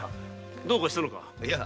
どうかしたのか？